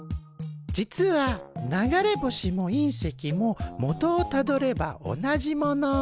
実は流れ星も隕石も元をたどれば同じもの。